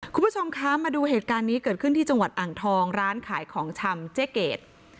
คุณผู้ชมคะมาดูเหตุการณ์นี้เกิดขึ้นที่จังหวัดอ่างทองร้านขายของชำเจ๊เกด